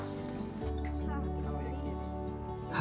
rina harus menjaga keadaan rina